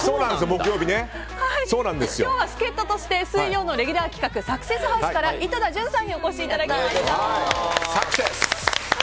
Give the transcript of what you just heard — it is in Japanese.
今日は助っ人として水曜のレギュラー企画サクセスハウスから井戸田潤さんにサクセス！